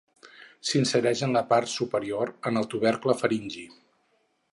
S'insereix en la part superior en el tubercle faringi.